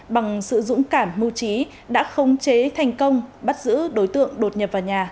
bằng sự dũng cảm mưu trí đã khống chế thành công bắt giữ đối tượng đột nhập vào nhà